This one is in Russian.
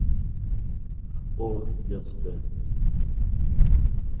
О, детская!